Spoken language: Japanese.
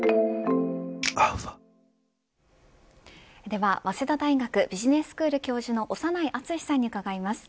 では、早稲田大学ビジネススクール教授の長内厚さんに伺います。